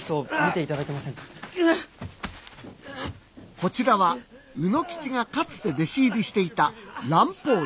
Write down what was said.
こちらは卯之吉がかつて弟子入りしていた蘭方医